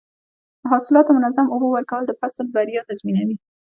د حاصلاتو منظم اوبه ورکول د فصل بریا تضمینوي.